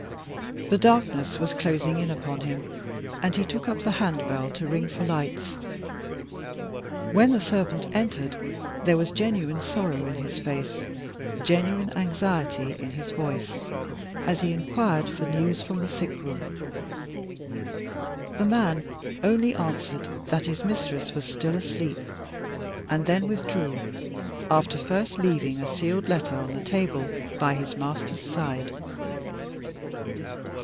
The darkness was closing in upon him, and he took up the handbell to ring for lights. When the servant entered there was genuine sorrow in his face, genuine anxiety in his voice, as he inquired for news from the sick room. The man only answered that his mistress was still asleep, and then withdrew, after first leaving a sealed letter on the table by his master's side.